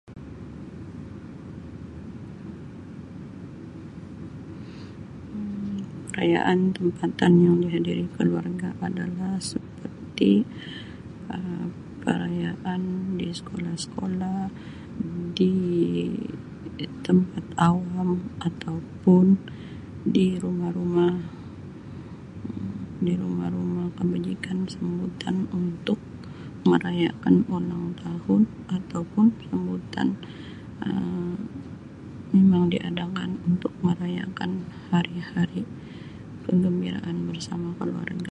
Um Perayaan tempatan yang dihadiri keluarga adalah seperti Um perayaan di sekolah-sekolah di tempat awam ataupun di rumah-rumah Um di rumah-rumah kebajikan sambutan untuk merayakan ulang tahun ataupun sambutan Um memang diadakan untuk merayakan hari-hari kegembiraan bersama keluarga.